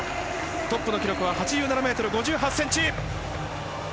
トップの記録は８７ｍ５８ｃｍ。